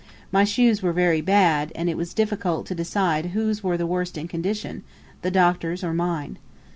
My shoes were very bad, and it was difficult to decide whose were the worst in condition, the Doctor's or mine.